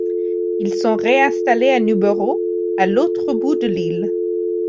Ils sont réinstallés à Newborough, à l'autre bout de l'île.